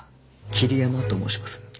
桐山と申します。